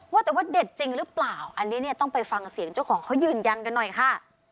ว่าแต่ว่าเด็ดจริงหรือเปล่าอันนี้เนี่ยต้องไปฟังเสียงเจ้าของเขายืนยันกันหน่อยค่ะ